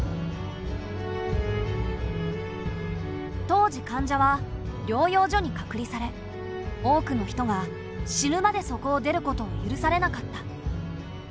当時患者は療養所に隔離され多くの人が死ぬまでそこを出ることを許されなかった。